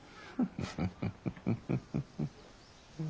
フフフフフフフフ。